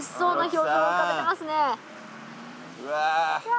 うわぁ。